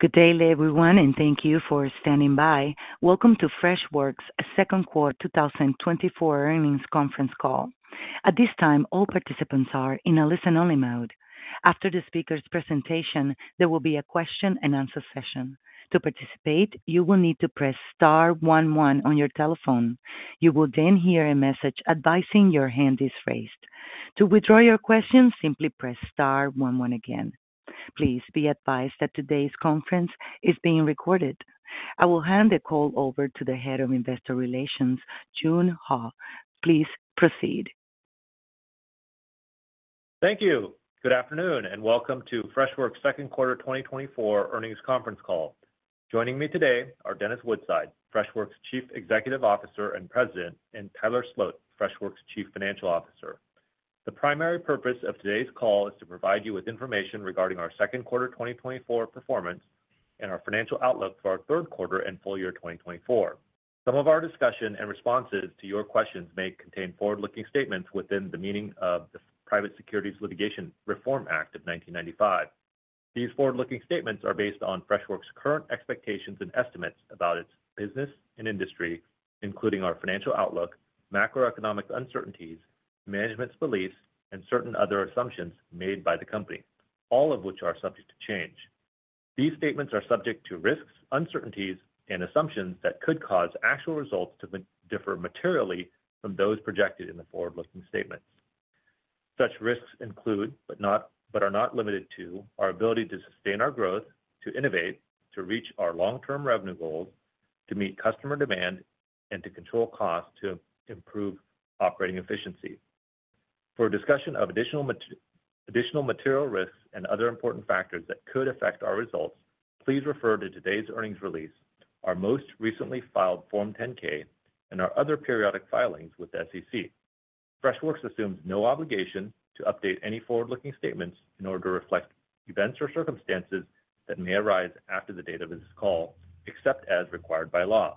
Good day, everyone, and thank you for standing by. Welcome to Freshworks' Second Quarter 2024 Earnings Conference Call. At this time, all participants are in a listen-only mode. After the speaker's presentation, there will be a question-and-answer session. To participate, you will need to press star one one on your telephone. You will then hear a message advising your hand is raised. To withdraw your question, simply press star one one again. Please be advised that today's conference is being recorded. I will hand the call over to the Head of Investor Relations, Joon Huh. Please proceed. Thank you. Good afternoon, and welcome to Freshworks' Second Quarter 2024 Earnings Conference Call. Joining me today are Dennis Woodside, Freshworks' Chief Executive Officer and President, and Tyler Sloat, Freshworks' Chief Financial Officer. The primary purpose of today's call is to provide you with information regarding our second quarter 2024 performance and our financial outlook for our third quarter and full year 2024. Some of our discussion and responses to your questions may contain forward-looking statements within the meaning of the Private Securities Litigation Reform Act of 1995. These forward-looking statements are based on Freshworks' current expectations and estimates about its business and industry, including our financial outlook, macroeconomic uncertainties, management's beliefs, and certain other assumptions made by the company, all of which are subject to change. These statements are subject to risks, uncertainties, and assumptions that could cause actual results to differ materially from those projected in the forward-looking statements. Such risks include, but are not limited to, our ability to sustain our growth, to innovate, to reach our long-term revenue goals, to meet customer demand, and to control costs, to improve operating efficiency. For a discussion of additional material risks and other important factors that could affect our results, please refer to today's earnings release, our most recently filed Form 10-K, and our other periodic filings with the SEC. Freshworks assumes no obligation to update any forward-looking statements in order to reflect events or circumstances that may arise after the date of this call, except as required by law.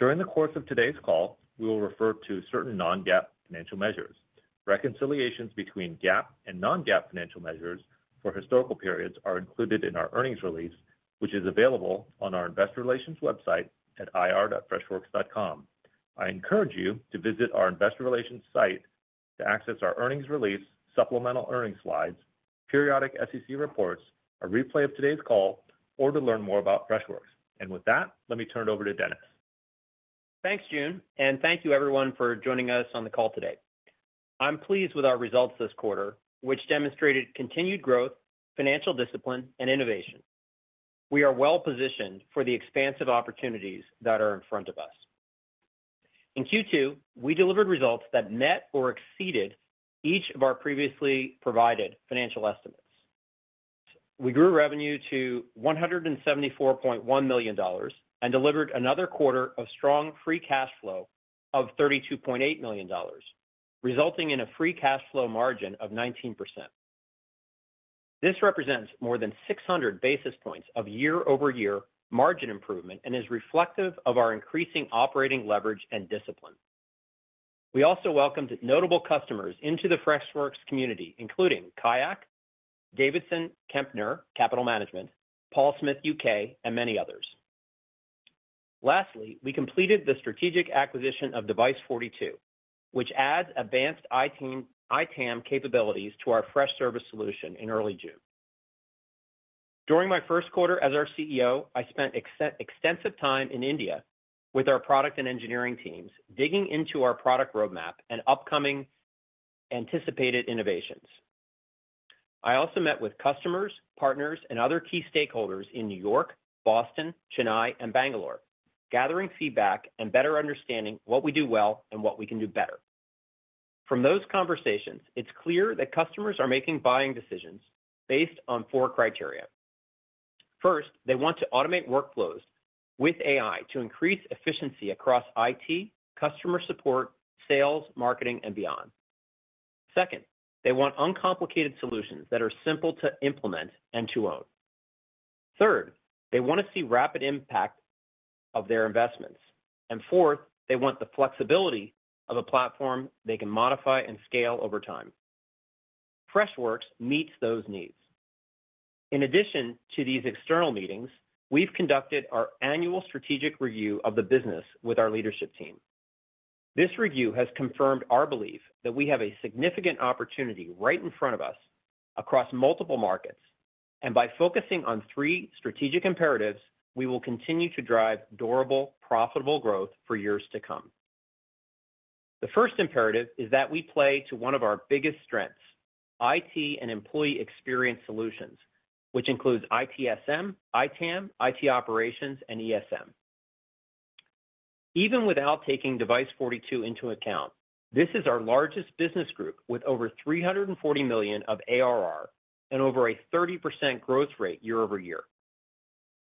During the course of today's call, we will refer to certain non-GAAP financial measures. Reconciliations between GAAP and non-GAAP financial measures for historical periods are included in our earnings release, which is available on our investor relations website at ir.freshworks.com. I encourage you to visit our investor relations site to access our earnings release, supplemental earnings slides, periodic SEC reports, a replay of today's call, or to learn more about Freshworks. With that, let me turn it over to Dennis. Thanks, Joon, and thank you everyone for joining us on the call today. I'm pleased with our results this quarter, which demonstrated continued growth, financial discipline, and innovation. We are well-positioned for the expansive opportunities that are in front of us. In Q2, we delivered results that met or exceeded each of our previously provided financial estimates. We grew revenue to $174.1 million and delivered another quarter of strong free cash flow of $32.8 million, resulting in a free cash flow margin of 19%. This represents more than 600 basis points of year-over-year margin improvement and is reflective of our increasing operating leverage and discipline. We also welcomed notable customers into the Freshworks community, including Kayak, Davidson Kempner Capital Management, Paul Smith UK, and many others. Lastly, we completed the strategic acquisition of Device42, which adds advanced ITIM, ITAM capabilities to our Freshservice solution in early June. During my first quarter as our CEO, I spent extensive time in India with our product and engineering teams, digging into our product roadmap and upcoming anticipated innovations. I also met with customers, partners, and other key stakeholders in New York, Boston, Chennai, and Bangalore, gathering feedback and better understanding what we do well and what we can do better. From those conversations, it's clear that customers are making buying decisions based on four criteria. First, they want to automate workflows with AI to increase efficiency across IT, customer support, sales, marketing, and beyond. Second, they want uncomplicated solutions that are simple to implement and to own. Third, they wanna see rapid impact of their investments. And fourth, they want the flexibility of a platform they can modify and scale over time. Freshworks meets those needs. In addition to these external meetings, we've conducted our annual strategic review of the business with our leadership team. This review has confirmed our belief that we have a significant opportunity right in front of us across multiple markets, and by focusing on three strategic imperatives, we will continue to drive durable, profitable growth for years to come. The first imperative is that we play to one of our biggest strengths, IT and employee experience solutions, which includes ITSM, ITAM, IT operations, and ESM. Even without taking Device42 into account, this is our largest business group, with over $340 million of ARR and over a 30%, growth rate year-over-year.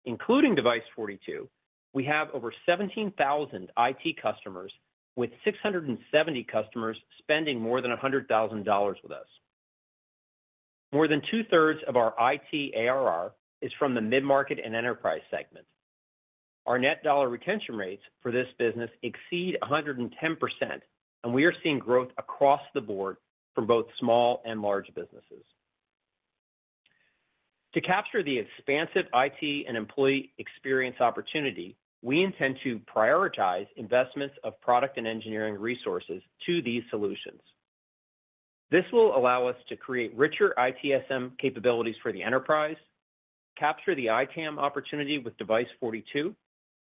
Including Device42, we have over 17,000 IT customers, with 670 customers spending more than $100,000 with us. More than two-thirds of our IT ARR is from the mid-market and enterprise segments. Our net dollar retention rates for this business exceed 110%, and we are seeing growth across the board for both small and large businesses. To capture the expansive IT and employee experience opportunity, we intend to prioritize investments of product and engineering resources to these solutions. This will allow us to create richer ITSM capabilities for the enterprise, capture the ITAM opportunity with Device42,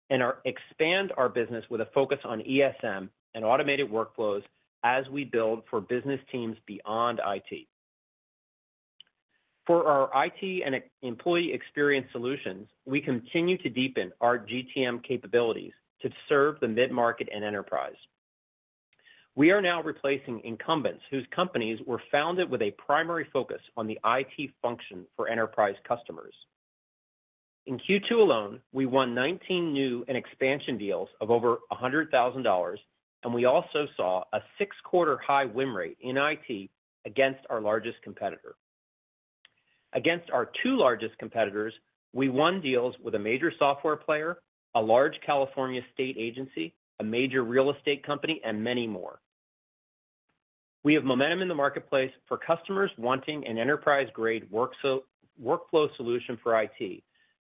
and expand our business with a focus on ESM and automated workflows as we build for business teams beyond IT. For our IT and employee experience solutions, we continue to deepen our GTM capabilities to serve the mid-market and enterprise. We are now replacing incumbents whose companies were founded with a primary focus on the IT function for enterprise customers. In Q2 alone, we won 19 new and expansion deals of over $100,000, and we also saw a 6-quarter high win rate in IT against our largest competitor. Against our two largest competitors, we won deals with a major software player, a large California state agency, a major real estate company, and many more. We have momentum in the marketplace for customers wanting an enterprise-grade workflow solution for IT,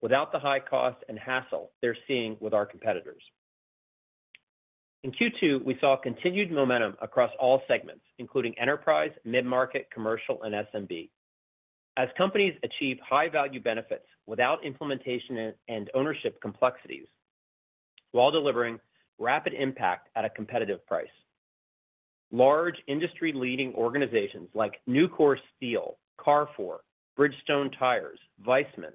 without the high cost and hassle they're seeing with our competitors. In Q2, we saw continued momentum across all segments, including enterprise, mid-market, commercial, and SMB. As companies achieve high-value benefits without implementation and ownership complexities, while delivering rapid impact at a competitive price. Large, industry-leading organizations like Nucor Steel, Carrefour, Bridgestone Tires, Weissman,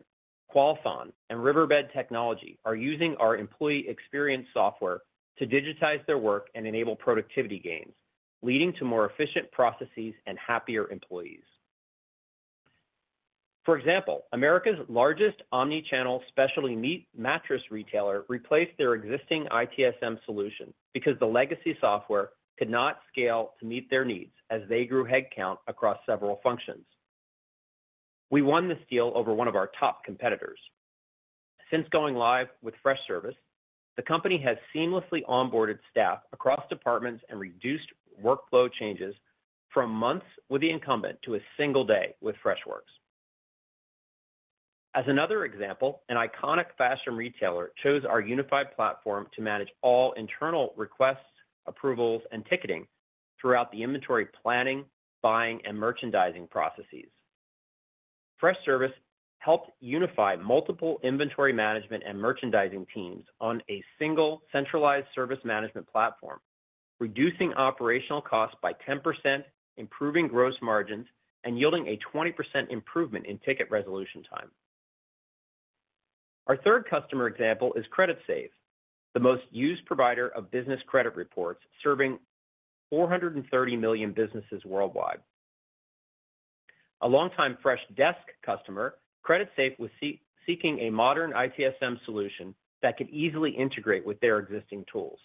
Qualfon, and Riverbed Technology are using our employee experience software to digitize their work and enable productivity gains, leading to more efficient processes and happier employees. For example, America's largest omni-channel specialty neat mattress retailer replaced their existing ITSM solution because the legacy software could not scale to meet their needs as they grew headcount across several functions. We won this deal over one of our top competitors. Since going live with Freshservice, the company has seamlessly onboarded staff across departments and reduced workflow changes from months with the incumbent to a single day with Freshworks. As another example, an iconic fashion retailer chose our unified platform to manage all internal requests, approvals, and ticketing throughout the inventory, planning, buying, and merchandising processes. Freshservice helped unify multiple inventory management and merchandising teams on a single, centralized service management platform, reducing operational costs by 10%, improving gross margins, and yielding a 20%, improvement in ticket resolution time. Our third customer example is Creditsafe, the most used provider of business credit reports, serving 430 million businesses worldwide. A longtime Freshdesk customer, Creditsafe receipt was seeking a modern ITSM solution that could easily integrate with their existing tools.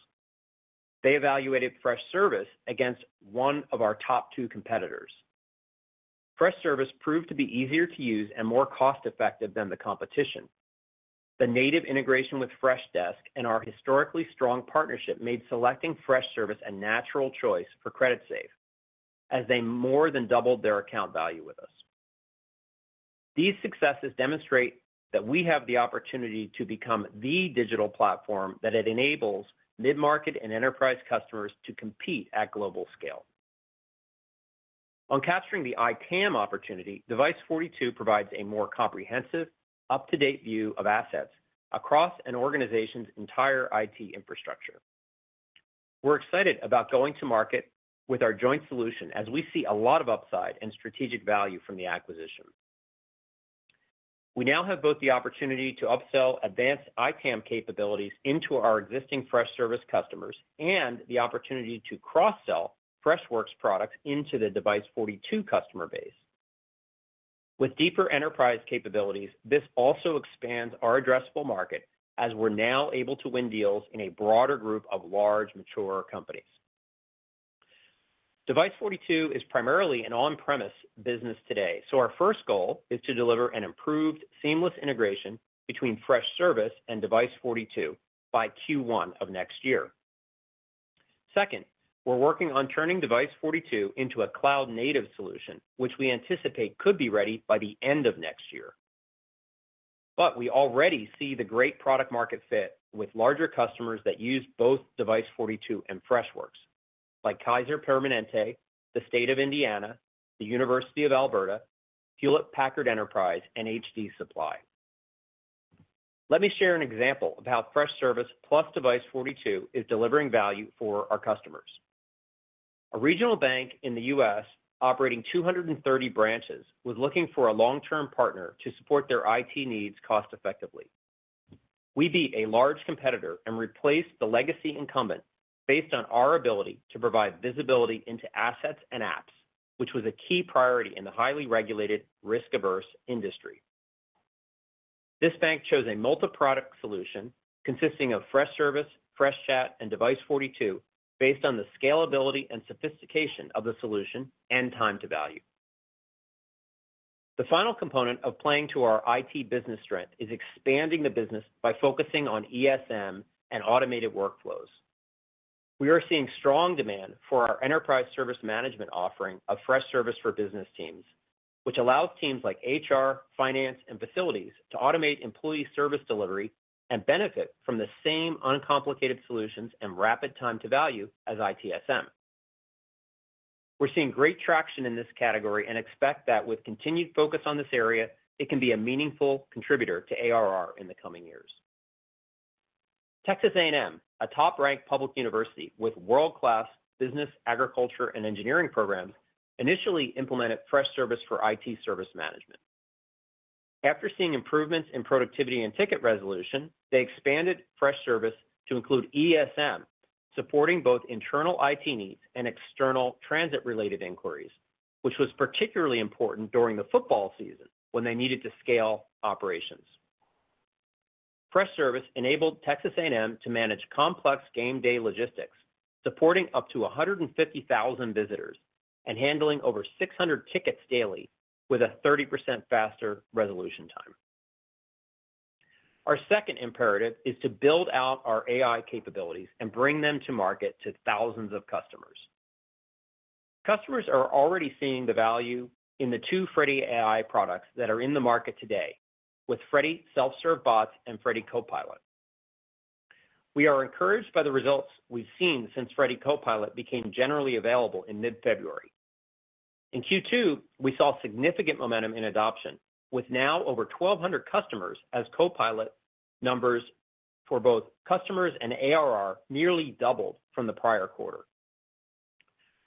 They evaluated Freshservice against one of our top two competitors. Freshservice proved to be easier to use and more cost-effective than the competition. The native integration with Freshdesk and our historically strong partnership made selecting Freshservice a natural choice for Creditsafe, as they more than doubled their account value with us. These successes demonstrate that we have the opportunity to become the digital platform, that it enables mid-market and enterprise customers to compete at global scale. On capturing the ITAM opportunity, Device42 provides a more comprehensive, up-to-date view of assets across an organization's entire IT infrastructure. We're excited about going to market with our joint solution as we see a lot of upside and strategic value from the acquisition. We now have both the opportunity to upsell advanced ITAM capabilities into our existing Freshservice customers and the opportunity to cross-sell Freshworks products into the Device42 customer base. With deeper enterprise capabilities, this also expands our addressable market as we're now able to win deals in a broader group of large, mature companies. Device42 is primarily an on-premise business today, so our first goal is to deliver an improved, seamless integration between Freshservice and Device42 by Q1 of next year. Second, we're working on turning Device42 into a cloud-native solution, which we anticipate could be ready by the end of next year. But we already see the great product-market fit with larger customers that use both Device42 and Freshworks, like Kaiser Permanente, the State of Indiana, the University of Alberta, Hewlett Packard Enterprise, and HD Supply. Let me share an example of how Freshservice plus Device42 is delivering value for our customers. A regional bank in the U.S., operating 230 branches, was looking for a long-term partner to support their IT needs cost-effectively. We beat a large competitor and replaced the legacy incumbent based on our ability to provide visibility into assets and apps, which was a key priority in the highly regulated, risk-averse industry. This bank chose a multi-product solution consisting of Freshservice, Freshchat, and Device42, based on the scalability and sophistication of the solution and time to value. The final component of playing to our IT business strength is expanding the business by focusing on ESM and automated workflows. We are seeing strong demand for our enterprise service management offering of Freshservice for Business Teams, which allows teams like HR, finance, and facilities to automate employee service delivery and benefit from the same uncomplicated solutions and rapid time to value as ITSM. We're seeing great traction in this category and expect that with continued focus on this area, it can be a meaningful contributor to ARR in the coming years. Texas A&M, a top-ranked public university with world-class business, agriculture, and engineering programs, initially implemented Freshservice for IT service management. After seeing improvements in productivity and ticket resolution, they expanded Freshservice to include ESM, supporting both internal IT needs and external transit-related inquiries, which was particularly important during the football season when they needed to scale operations. Freshservice enabled Texas A&M to manage complex game-day logistics, supporting up to 150,000 visitors and handling over 600 tickets daily with a 30%, faster resolution time. Our second imperative is to build out our AI capabilities and bring them to market to thousands of customers. Customers are already seeing the value in the 2 Freddy AI products that are in the market today, with Freddy Self-Serve Bots and Freddy Copilot. We are encouraged by the results we've seen since Freddy Copilot became generally available in mid-February. In Q2, we saw significant momentum in adoption, with now over 1,200 customers as Copilot numbers for both customers and ARR nearly doubled from the prior quarter.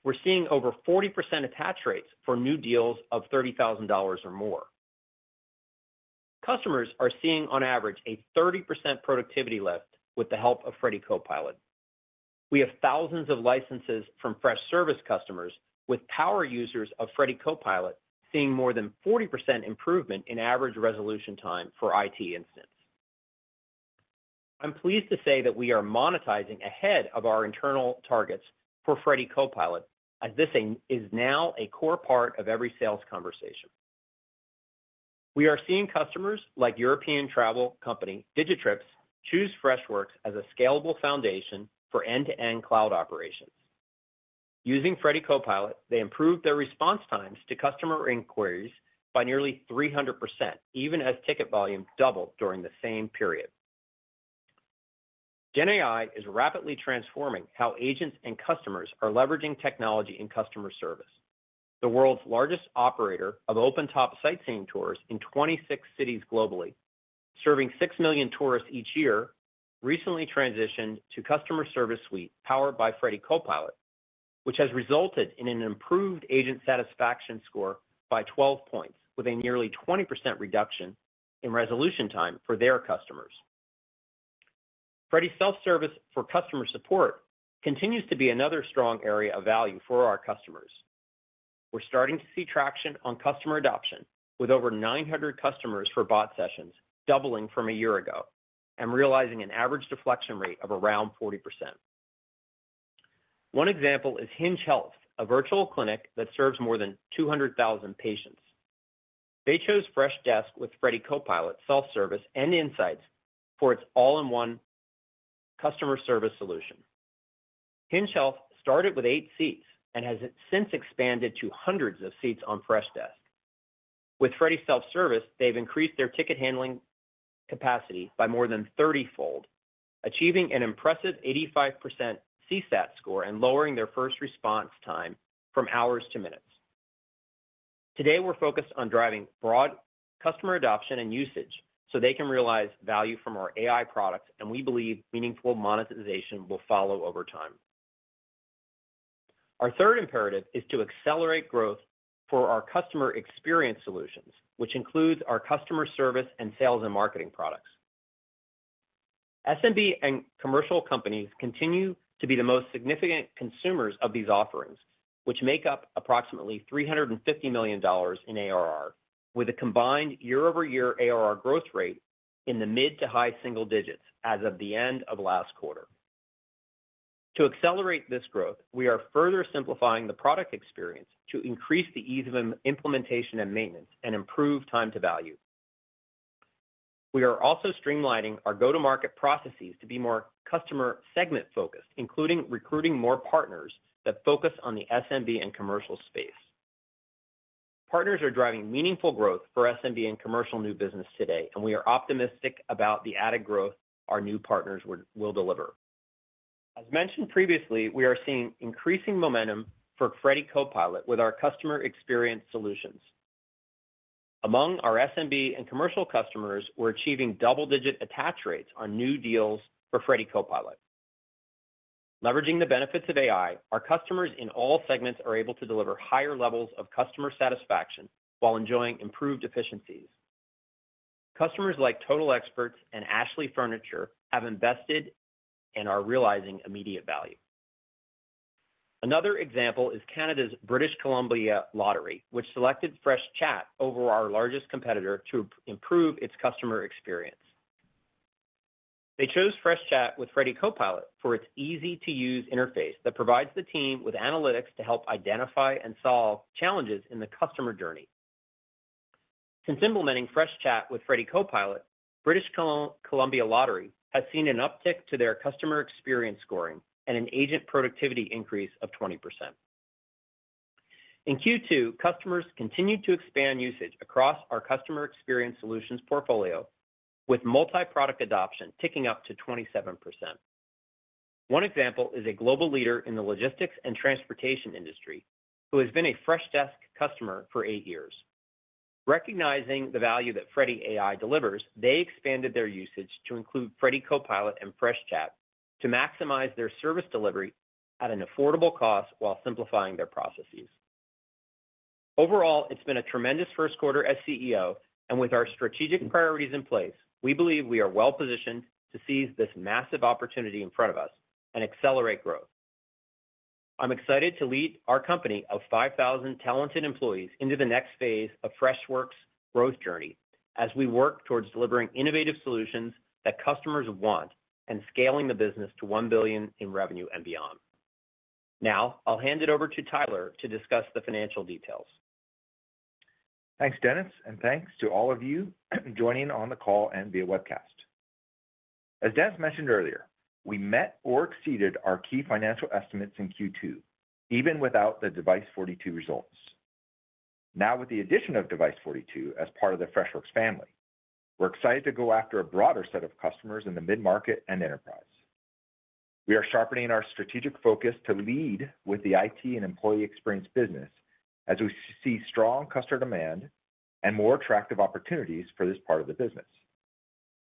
We're seeing over 40%, attach rates for new deals of $30,000 or more. Customers are seeing on average, a 30%, productivity lift with the help of Freddy Copilot. We have thousands of licenses from Freshservice customers, with power users of Freddy Copilot seeing more than 40%, improvement in average resolution time for IT incidents. I'm pleased to say that we are monetizing ahead of our internal targets for Freddy Copilot, as this thing is now a core part of every sales conversation. We are seeing customers like European travel company, Digitrips, choose Freshworks as a scalable foundation for end-to-end cloud operations. Using Freddy Copilot, they improved their response times to customer inquiries by nearly 300%, even as ticket volume doubled during the same period. GenAI is rapidly transforming how agents and customers are leveraging technology in customer service. The world's largest operator of open-top sightseeing tours in 26 cities globally, serving 6 million tourists each year, recently transitioned to Customer Service Suite, powered by Freddy Copilot, which has resulted in an improved agent satisfaction score by 12 points, with a nearly 20% reduction in resolution time for their customers. Freddy Self-Service for customer support continues to be another strong area of value for our customers. We're starting to see traction on customer adoption, with over 900 customers for bot sessions, doubling from a year ago and realizing an average deflection rate of around 40%. One example is Hinge Health, a virtual clinic that serves more than 200,000 patients. They chose Freshdesk with Freddy Copilot, Self-Service, and Insights for its all-in-one customer service solution. Hinge Health started with 8 seats and has since expanded to hundreds of seats on Freshdesk. With Freddy Self-Service, they've increased their ticket handling capacity by more than 30-fold, achieving an impressive 85%, CSAT score and lowering their first response time from hours to minutes. Today, we're focused on driving broad customer adoption and usage so they can realize value from our AI products, and we believe meaningful monetization will follow over time. Our third imperative is to accelerate growth for our customer experience solutions, which includes our customer service and sales and marketing products. SMB and commercial companies continue to be the most significant consumers of these offerings, which make up approximately $350 million in ARR, with a combined year-over-year ARR growth rate in the mid to high single digits as of the end of last quarter. To accelerate this growth, we are further simplifying the product experience to increase the ease of implementation and maintenance and improve time to value. We are also streamlining our go-to-market processes to be more customer segment-focused, including recruiting more partners that focus on the SMB and commercial space. Partners are driving meaningful growth for SMB and commercial new business today, and we are optimistic about the added growth our new partners will deliver. As mentioned previously, we are seeing increasing momentum for Freddy Copilot with our customer experience solutions. Among our SMB and commercial customers, we're achieving double-digit attach rates on new deals for Freddy Copilot. Leveraging the benefits of AI, our customers in all segments are able to deliver higher levels of customer satisfaction while enjoying improved efficiencies. Customers like Total Expert and Ashley Furniture have invested and are realizing immediate value. Another example is Canada's British Columbia Lottery, which selected Freshchat over our largest competitor to improve its customer experience. They chose Freshchat with Freddy Copilot for its easy-to-use interface that provides the team with analytics to help identify and solve challenges in the customer journey. Since implementing Freshchat with Freddy Copilot, British Columbia Lottery has seen an uptick to their customer experience scoring and an agent productivity increase of 20%. In Q2, customers continued to expand usage across our customer experience solutions portfolio, with multi-product adoption ticking up to 27%. One example is a global leader in the logistics and transportation industry, who has been a Freshdesk customer for 8 years. Recognizing the value that Freddy AI delivers, they expanded their usage to include Freddy Copilot and Freshchat to maximize their service delivery at an affordable cost while simplifying their processes. Overall, it's been a tremendous first quarter as CEO, and with our strategic priorities in place, we believe we are well-positioned to seize this massive opportunity in front of us and accelerate growth. I'm excited to lead our company of 5,000 talented employees into the next phase of Freshworks' growth journey as we work towards delivering innovative solutions that customers want and scaling the business to $1 billion in revenue and beyond. Now, I'll hand it over to Tyler to discuss the financial details. Thanks, Dennis, and thanks to all of you joining on the call and via webcast. As Dennis mentioned earlier, we met or exceeded our key financial estimates in Q2, even without the Device42 results. Now, with the addition of Device42 as part of the Freshworks family, we're excited to go after a broader set of customers in the mid-market and enterprise. We are sharpening our strategic focus to lead with the IT and employee experience business as we see strong customer demand and more attractive opportunities for this part of the business.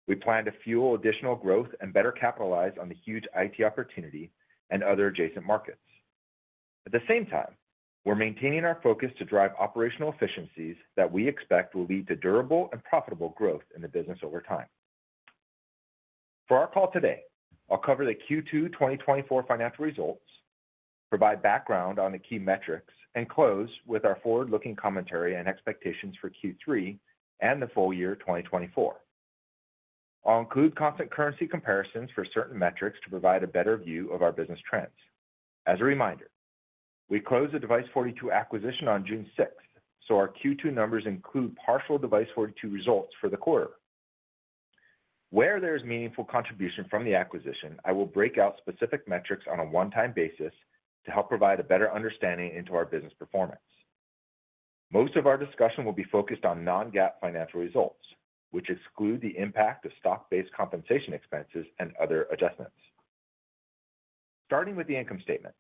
We plan to fuel additional growth and better capitalize on the huge IT opportunity and other adjacent markets. At the same time, we're maintaining our focus to drive operational efficiencies that we expect will lead to durable and profitable growth in the business over time. For our call today, I'll cover the Q2 2024 financial results, provide background on the key metrics, and close with our forward-looking commentary and expectations for Q3 and the full year 2024. I'll include constant currency comparisons for certain metrics to provide a better view of our business trends. As a reminder, we closed the Device42 acquisition on June 6, so our Q2 numbers include partial Device42 results for the quarter. Where there is meaningful contribution from the acquisition, I will break out specific metrics on a one-time basis to help provide a better understanding into our business performance. Most of our discussion will be focused on non-GAAP financial results, which exclude the impact of stock-based compensation expenses and other adjustments. Starting with the income statement,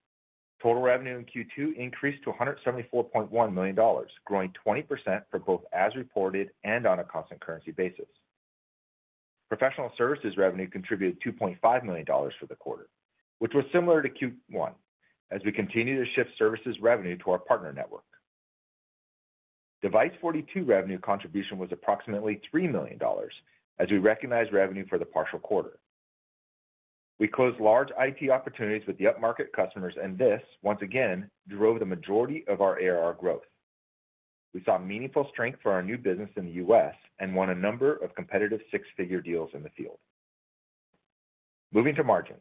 total revenue in Q2 increased to $174.1 million, growing 20%, for both as reported and on a constant currency basis. Professional services revenue contributed $2.5 million for the quarter, which was similar to Q1, as we continue to shift services revenue to our partner network. Device42 revenue contribution was approximately $3 million, as we recognized revenue for the partial quarter. We closed large IT opportunities with the upmarket customers, and this, once again, drove the majority of our ARR growth. We saw meaningful strength for our new business in the U.S. and won a number of competitive six-figure deals in the field. Moving to margins,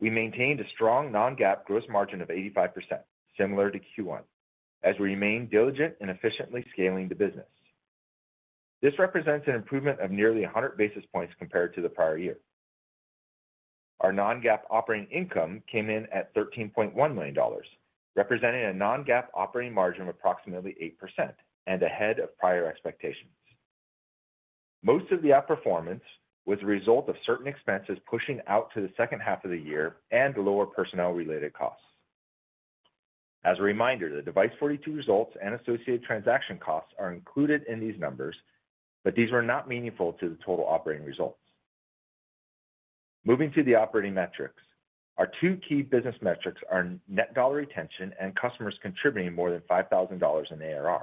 we maintained a strong non-GAAP gross margin of 85%, similar to Q1, as we remain diligent in efficiently scaling the business. This represents an improvement of nearly 100 basis points compared to the prior year. Our non-GAAP operating income came in at $13.1 million, representing a non-GAAP operating margin of approximately 8%, and ahead of prior expectations. Most of the outperformance was a result of certain expenses pushing out to the second half of the year and lower personnel-related costs. As a reminder, the Device42 results and associated transaction costs are included in these numbers, but these were not meaningful to the total operating results. Moving to the operating metrics, our two key business metrics are net dollar retention and customers contributing more than $5,000 in ARR.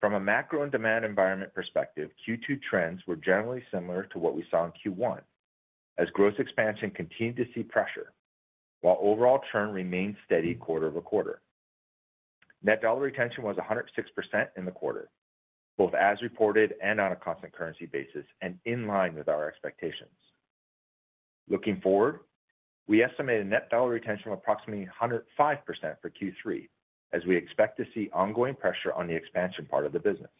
From a macro and demand environment perspective, Q2 trends were generally similar to what we saw in Q1, as gross expansion continued to see pressure, while overall churn remained steady quarter over quarter. Net dollar retention was 106% in the quarter, both as reported and on a constant currency basis, and in line with our expectations. Looking forward, we estimate a net dollar retention of approximately 105% for Q3, as we expect to see ongoing pressure on the expansion part of the business.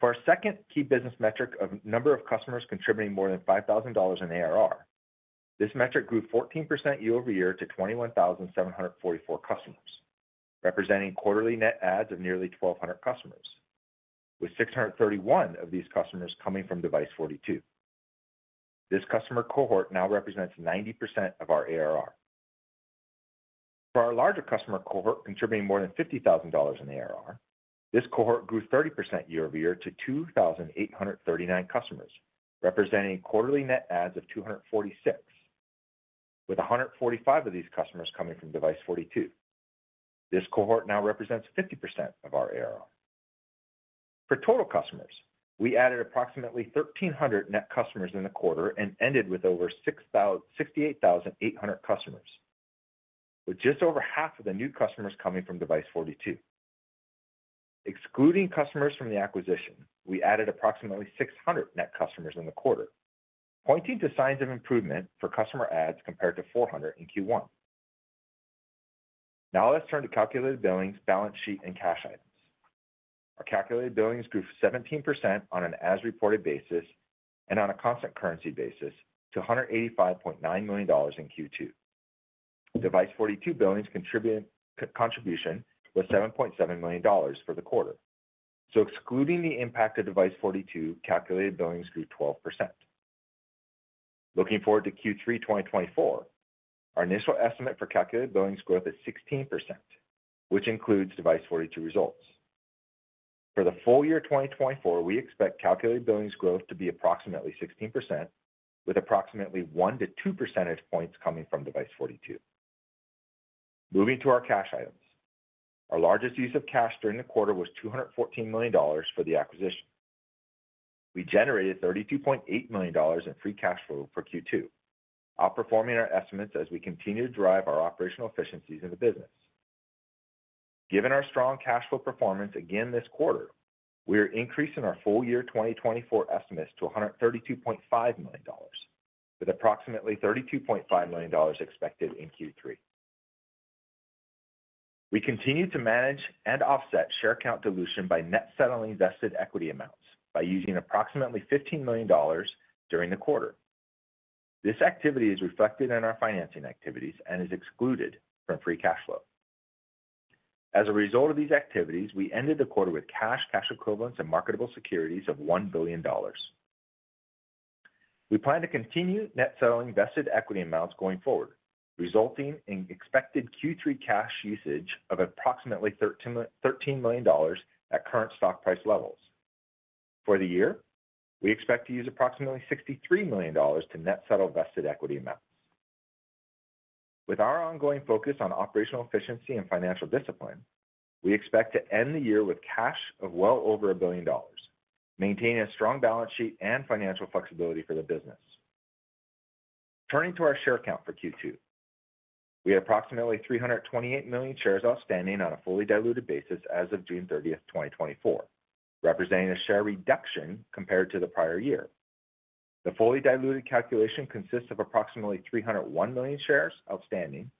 For our second key business metric of number of customers contributing more than $5,000 in ARR, this metric grew 14%, year over year to 21,744 customers, representing quarterly net adds of nearly 1,200 customers, with 631 of these customers coming from Device42. This customer cohort now represents 90% of our ARR. For our larger customer cohort, contributing more than $50,000 in ARR, this cohort grew 30%, year-over-year to 2,839 customers, representing quarterly net adds of 246, with 145 of these customers coming from Device42. This cohort now represents 50% of our ARR. For total customers, we added approximately 1,300 net customers in the quarter and ended with over 68,800 customers, with just over half of the new customers coming from Device42, excluding customers from the acquisition, we added approximately 600 net customers in the quarter, pointing to signs of improvement for customer adds compared to 400 in Q1. Now let's turn to calculated billings, balance sheet, and cash items. Our calculated billings grew 17%, on an as-reported basis and on a constant currency basis to $185.9 million in Q2. Device42 billings contribution was $7.7 million for the quarter. So excluding the impact of Device42, calculated billings grew 12%. Looking forward to Q3 2024, our initial estimate for calculated billings growth is 16%, which includes Device42 results. For the full year 2024, we expect calculated billings growth to be approximately 16%, with approximately 1-2 percentage points coming from Device42. Moving to our cash items. Our largest use of cash during the quarter was $214 million for the acquisition. We generated $32.8 million in free cash flow for Q2, outperforming our estimates as we continue to drive our operational efficiencies in the business. Given our strong cash flow performance again this quarter, we are increasing our full year 2024 estimates to $132.5 million, with approximately $32.5 million expected in Q3. We continue to manage and offset share count dilution by net settling vested equity amounts, by using approximately $15 million during the quarter. This activity is reflected in our financing activities and is excluded from Free Cash Flow. As a result of these activities, we ended the quarter with cash, cash equivalents, and marketable securities of $1 billion. We plan to continue net selling vested equity amounts going forward, resulting in expected Q3 cash usage of approximately $13 million at current stock price levels. For the year, we expect to use approximately $63 million to net settle vested equity amounts. With our ongoing focus on operational efficiency and financial discipline, we expect to end the year with cash of well over $1 billion, maintaining a strong balance sheet and financial flexibility for the business. Turning to our share count for Q2, we had approximately 328 million shares outstanding on a fully diluted basis as of June thirtieth, 2024, representing a share reduction compared to the prior year. The fully diluted calculation consists of approximately 301 million shares outstanding,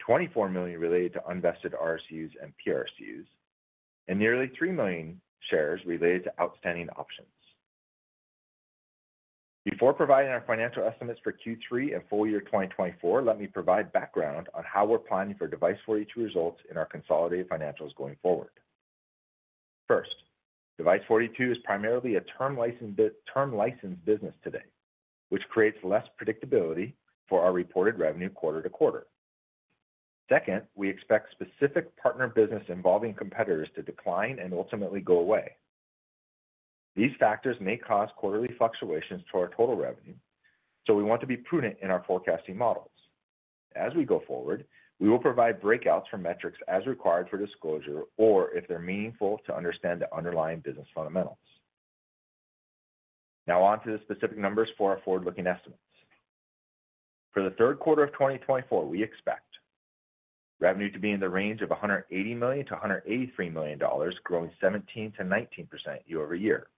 24 million related to unvested RSUs and PRSUs, and nearly 3 million shares related to outstanding options. Before providing our financial estimates for Q3 and full year 2024, let me provide background on how we're planning for Device42 results in our consolidated financials going forward. First, Device42 is primarily a term license business today, which creates less predictability for our reported revenue quarter to quarter. Second, we expect specific partner business involving competitors to decline and ultimately go away. These factors may cause quarterly fluctuations to our total revenue, so we want to be prudent in our forecasting models. As we go forward, we will provide breakouts for metrics as required for disclosure or if they're meaningful to understand the underlying business fundamentals. Now on to the specific numbers for our forward-looking estimates. For the third quarter of 2024, we expect revenue to be in the range of $180 million-$183 million, growing 17%-19% year-over-year.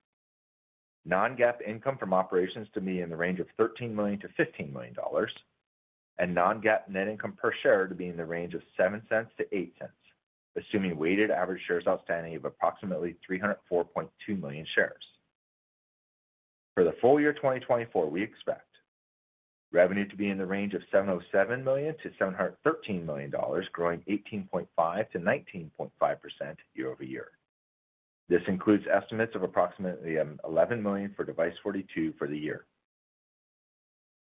Non-GAAP income from operations to be in the range of $13 million-$15 million, and non-GAAP net income per share to be in the range of $0.07-$0.08, assuming weighted average shares outstanding of approximately 304.2 million shares. For the full year 2024, we expect revenue to be in the range of $707 million-$713 million, growing 18.5%-19.5% year over year. This includes estimates of approximately $11 million for Device42 for the year.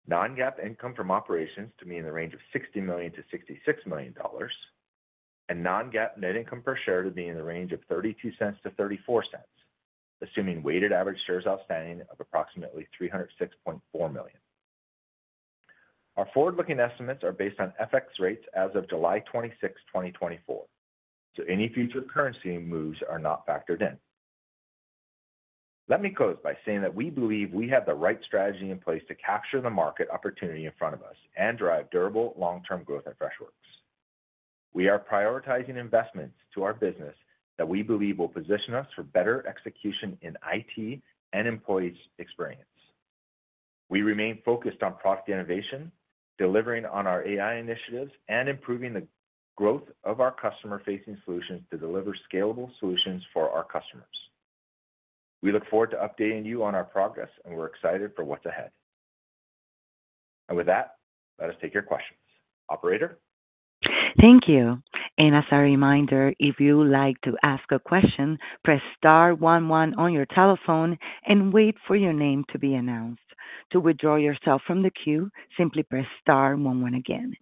Non-GAAP income from operations to be in the range of $60 million-$66 million, and non-GAAP net income per share to be in the range of $0.32-$0.34, assuming weighted average shares outstanding of approximately 306.4 million. Our forward-looking estimates are based on FX rates as of July 26, 2024, so any future currency moves are not factored in. Let me close by saying that we believe we have the right strategy in place to capture the market opportunity in front of us and drive durable long-term growth at Freshworks. We are prioritizing investments to our business that we believe will position us for better execution in IT and employee experience. We remain focused on product innovation, delivering on our AI initiatives, and improving the growth of our customer-facing solutions to deliver scalable solutions for our customers. We look forward to updating you on our progress, and we're excited for what's ahead. And with that, let us take your questions. Operator? Thank you. And as a reminder, if you would like to ask a question, press star one one on your telephone and wait for your name to be announced. To withdraw yourself from the queue, simply press star one one again.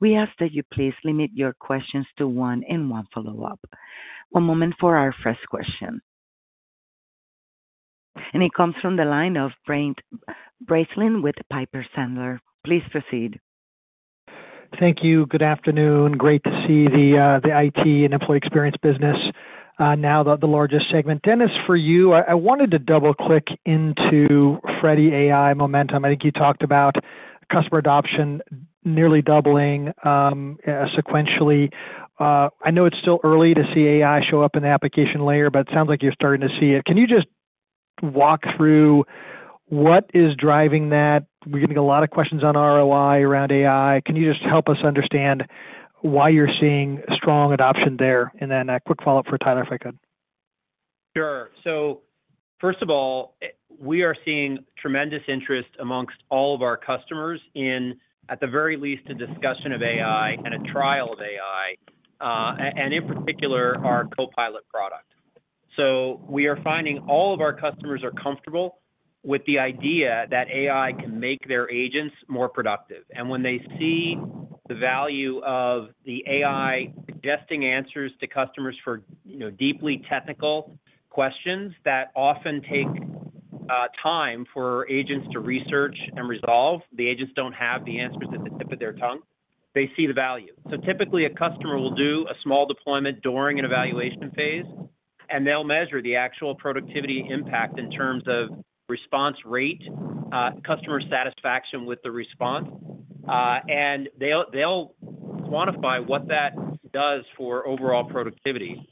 We ask that you please limit your questions to one and one follow-up. One moment for our first question. And it comes from the line of Brent Bracelin with Piper Sandler. Please proceed. Thank you. Good afternoon. Great to see the IT and employee experience business now the largest segment. Dennis, for you, I wanted to double-click into Freddy AI momentum. I think you talked about customer adoption nearly doubling sequentially. I know it's still early to see AI show up in the application layer, but it sounds like you're starting to see it. Can you just walk through what is driving that? We're getting a lot of questions on ROI around AI. Can you just help us understand why you're seeing strong adoption there? And then a quick follow-up for Tyler, if I could. Sure. So first of all, we are seeing tremendous interest amongst all of our customers in, at the very least, a discussion of AI and a trial of AI, and in particular, our Copilot product. So we are finding all of our customers are comfortable with the idea that AI can make their agents more productive. And when they see the value of the AI suggesting answers to customers for, you know, deeply technical questions that often take time for agents to research and resolve, the agents don't have the answers at the tip of their tongue, they see the value. So typically, a customer will do a small deployment during an evaluation phase, and they'll measure the actual productivity impact in terms of response rate, customer satisfaction with the response, and they'll quantify what that does for overall productivity.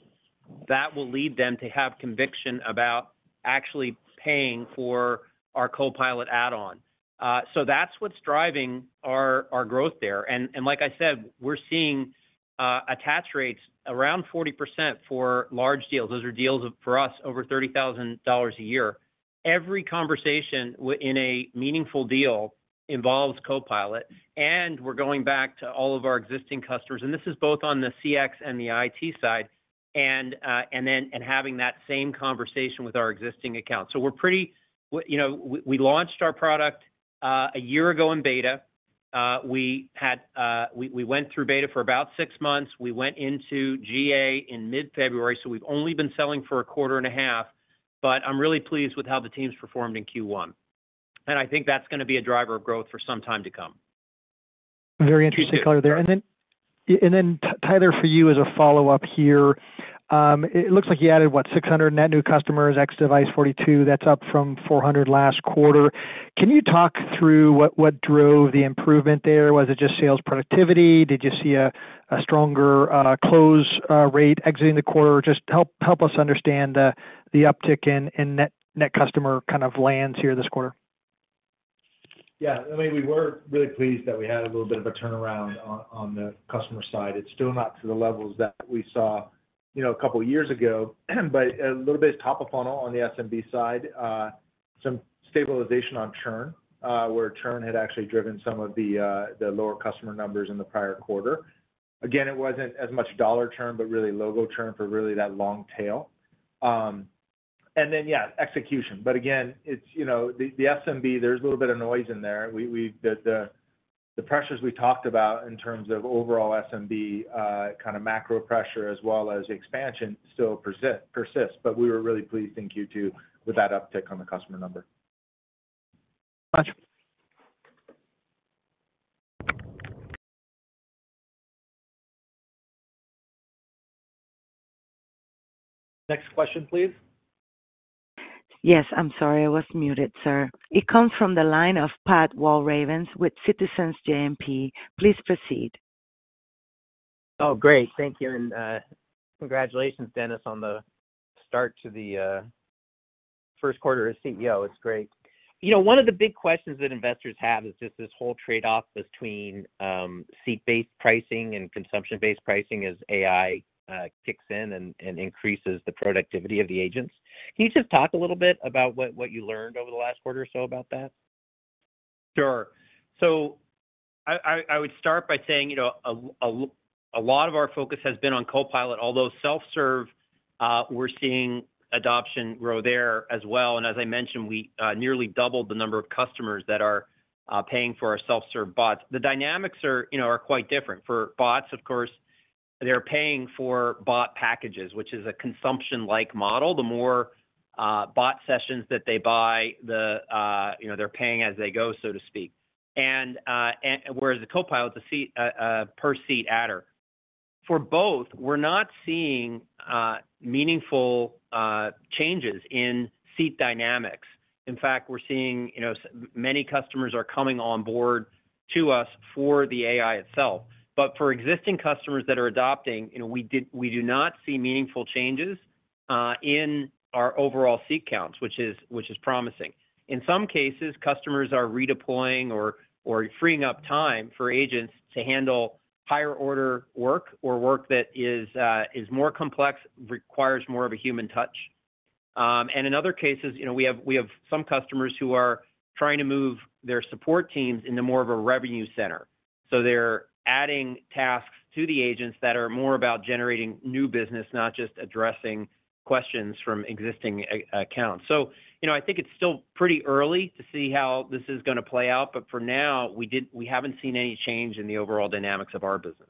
That will lead them to have conviction about actually paying for our Copilot add-on. So that's what's driving our growth there. And like I said, we're seeing attach rates around 40%, for large deals. Those are deals of, for us, over $30,000 a year. Every conversation in a meaningful deal involves Copilot, and we're going back to all of our existing customers, and this is both on the CX and the IT side, and then having that same conversation with our existing accounts. So we're pretty... you know, we launched our product a year ago in beta. We had, we went through beta for about six months. We went into GA in mid-February, so we've only been selling for a quarter and a half, but I'm really pleased with how the team's performed in Q1. I think that's gonna be a driver of growth for some time to come. Very interesting, Tyler, there. Then Tyler, for you, as a follow-up here, it looks like you added, what? 600 net new customers, ex Device42. That's up from 400 last quarter. Can you talk through what drove the improvement there? Was it just sales productivity? Did you see a stronger close rate exiting the quarter? Just help us understand the uptick in net customer kind of lands here this quarter. Yeah, I mean, we were really pleased that we had a little bit of a turnaround on the customer side. It's still not to the levels that we saw, you know, a couple years ago, but a little bit top of funnel on the SMB side, some stabilization on churn, where churn had actually driven some of the lower customer numbers in the prior quarter. Again, it wasn't as much dollar churn, but really logo churn for really that long tail. And then, yeah, execution. But again, it's, you know, the SMB, there's a little bit of noise in there. The pressures we talked about in terms of overall SMB, kind of macro pressure as well as expansion still persists, but we were really pleased in Q2 with that uptick on the customer number. Thanks much. Next question, please. Yes. I'm sorry, I was muted, sir. It comes from the line of Pat Walravens with Citizens JMP. Please proceed. Oh, great. Thank you, and, congratulations, Dennis, on the start to the, first quarter as CEO. It's great. You know, one of the big questions that investors have is just this whole trade-off between, seat-based pricing and consumption-based pricing as AI, kicks in and, and increases the productivity of the agents. Can you just talk a little bit about what, what you learned over the last quarter or so about that? Sure. So I would start by saying, you know, a lot of our focus has been on Copilot, although self-serve, we're seeing adoption grow there as well. And as I mentioned, we nearly doubled the number of customers that are paying for our self-serve bots. The dynamics are, you know, quite different. For bots, of course, they're paying for bot packages, which is a consumption-like model. The more bot sessions that they buy, the, you know, they're paying as they go, so to speak. And whereas the Copilot, the seat per seat adder. For both, we're not seeing meaningful changes in seat dynamics. In fact, we're seeing, you know, many customers are coming on board to us for the AI itself. But for existing customers that are adopting, you know, we do not see meaningful changes in our overall seat counts, which is promising. In some cases, customers are redeploying or freeing up time for agents to handle higher order work or work that is more complex, requires more of a human touch. And in other cases, you know, we have some customers who are trying to move their support teams into more of a revenue center. So they're adding tasks to the agents that are more about generating new business, not just addressing questions from existing accounts. So, you know, I think it's still pretty early to see how this is gonna play out, but for now, we haven't seen any change in the overall dynamics of our business.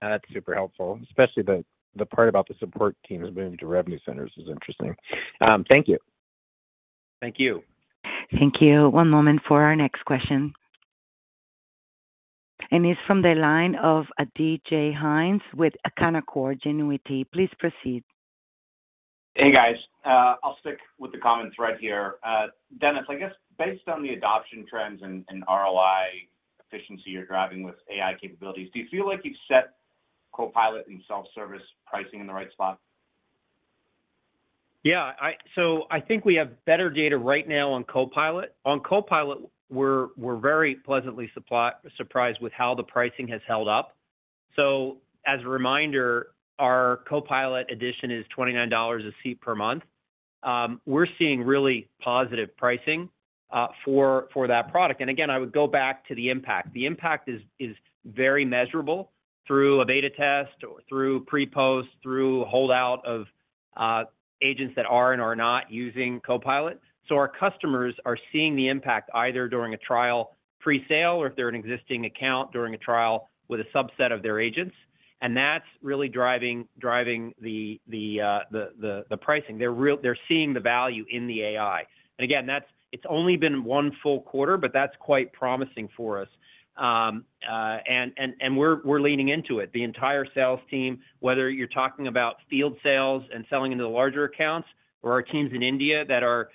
That's super helpful, especially the part about the support teams moving to revenue centers is interesting. Thank you. Thank you. Thank you. One moment for our next question. It's from the line of DJ Hynes with Canaccord Genuity. Please proceed. Hey, guys. I'll stick with the common thread here. Dennis, I guess based on the adoption trends and ROI efficiency you're driving with AI capabilities, do you feel like you've set-... Copilot and self-service pricing in the right spot? Yeah, so I think we have better data right now on Copilot. On Copilot, we're very pleasantly surprised with how the pricing has held up. So as a reminder, our Copilot edition is $29 a seat per month. We're seeing really positive pricing for that product. And again, I would go back to the impact. The impact is very measurable through a beta test, or through pre-post, through holdout of agents that are and are not using Copilot. So our customers are seeing the impact, either during a trial presale, or if they're an existing account, during a trial with a subset of their agents. And that's really driving the pricing. They're seeing the value in the AI. And again, that's. It's only been one full quarter, but that's quite promising for us. We're leaning into it. The entire sales team, whether you're talking about field sales and selling into the larger accounts, or our teams in India that are